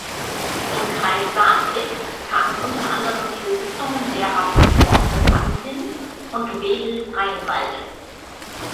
Zum Kreis Saatzig kamen unter anderem die Besitzungen derer von Borcke-Pansin und Wedel-Freienwalde.